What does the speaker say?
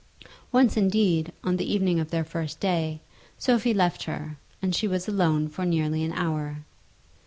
Once indeed, on the evening of their first day, Sophie left her, and she was alone for nearly an hour.